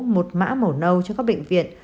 một mã màu nâu cho các bệnh viện